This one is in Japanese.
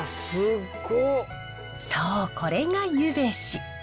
そうこれがゆべし。